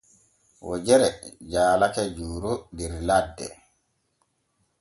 Wojere jaalake Juuro der ladde.